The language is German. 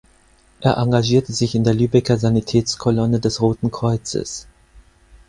Er engagierte sich in der Lübecker Sanitätskolonne des Roten Kreuzes.